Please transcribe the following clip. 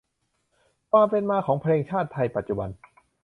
ความเป็นมาของเพลงชาติไทยปัจจุบัน